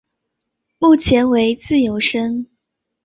目前为自由身。